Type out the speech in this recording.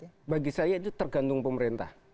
ya bagi saya itu tergantung pemerintah